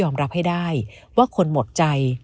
มันหมดใจ